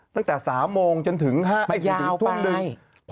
ตั้งแต่๓โมงจนถึง๘นมทุ่ม๑